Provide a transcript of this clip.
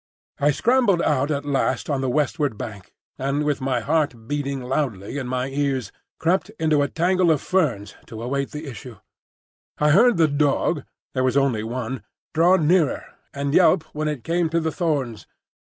I scrambled out at last on the westward bank, and with my heart beating loudly in my ears, crept into a tangle of ferns to await the issue. I heard the dog (there was only one) draw nearer, and yelp when it came to the thorns.